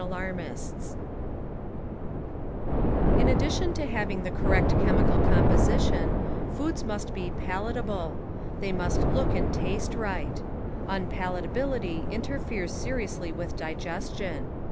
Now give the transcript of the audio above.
r» 1 ^ i_ T^ jtn addition to havin<> the correct chemical Falatabihty r composition, foods must be palatable; they must j^gjjjg look and taste rii>ht. Unpalatability interferes seriously with digestion.